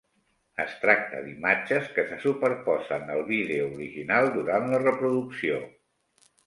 Es tracta d'imatges que se superposen al vídeo original durant la reproducció.